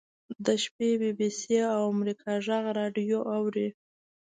د شپې بي بي سي او امریکا غږ راډیو اوري.